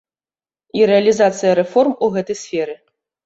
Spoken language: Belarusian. І рэалізацыя рэформ у гэтай сферы.